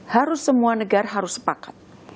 harus semua negara harus sepakat